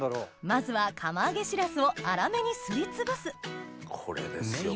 まずは釜揚げしらすを粗めにすりつぶすこれですよ。